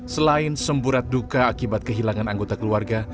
selain semburat duka akibat kehilangan anggota keluarga